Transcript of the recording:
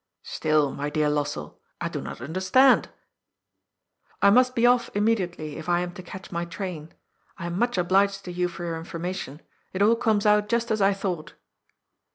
" Still, my dear Lossell, I do not understand "" I must be off immediately, if I am to catch my train. I am much obliged to you for your information. It all comes out just as I thought."